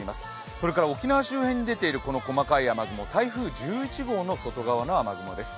それから沖縄周辺に出ている細かい雨雲、台風１１号の外側の雨雲です。